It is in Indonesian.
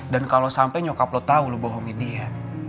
dan kalau sampai nyokap lo tau lo bohongin dia